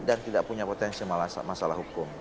dan tidak punya potensi masalah hukum